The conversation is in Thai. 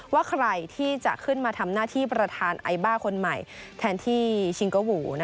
ว่าใครที่จะขึ้นมาทำหน้าที่ประธานไอบ้าคนใหม่แทนที่ชิงโกหวู